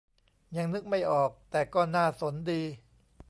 ยังนึกไม่ออก แต่ก็น่าสนดี